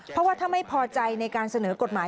เพราะว่าถ้าไม่พอใจในการเสนอกฎหมาย